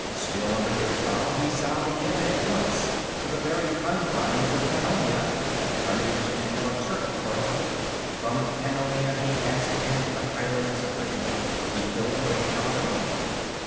Still under his vow, he set out again at once to the very confines of Pannonia determined to kill a Turk for her. From Pannonia he passed into the Highlands of Britain, where he killed her a Caledonian.